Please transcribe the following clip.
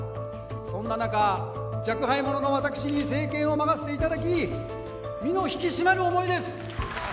そんな中若輩者の私に政権を任せて頂き身の引き締まる思いです。